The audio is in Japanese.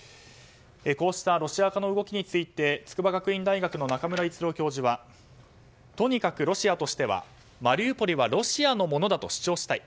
こうしたロシア化の動きについて筑波学院大学の中村逸郎教授はとにかくロシアとしてはマリウポリはロシアのものだと主張したい。